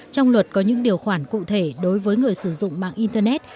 trong luật có những điều khoản cụ thể đối với người sử dụng mạng internet